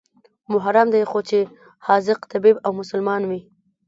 محرم دى خو چې حاذق طبيب او مسلمان وي.